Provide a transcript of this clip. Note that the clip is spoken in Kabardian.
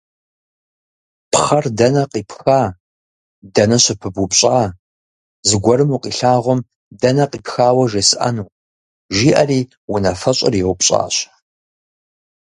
«Пхъэр дэнэ къипха, дэнэ щыпыбупщӏа, зыгуэрым укъилъагъум дэнэ къипхауэ жесӏэну?» – жиӏэри унафэщӏыр еупщӏащ.